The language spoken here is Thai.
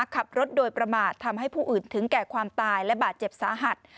ขับรถโดยประมาททำให้ผู้อื่นถึงแก่ความตายและบาดเจ็บสาหัส